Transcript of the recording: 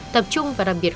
tập trung và đặc biệt